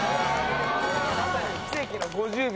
まさに奇跡の５０秒。